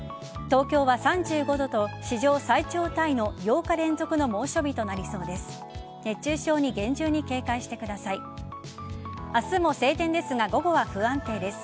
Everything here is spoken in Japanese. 東京は３５度と史上最長タイの８日連続の猛暑日となりそうです。